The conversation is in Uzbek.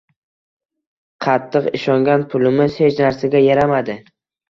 Qattiq ishongan pulimiz hech narsaga yaramadi.